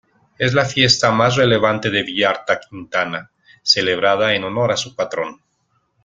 Es la fiesta más relevante de Villarta-Quintana, celebrada en honor a su patrón.